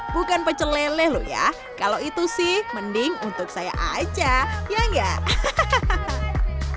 bukan pecel lele loh ya kalau itu sih mending untuk saya aja ya enggak hahaha